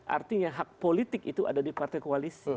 artinya hak politik itu ada di partai koalisi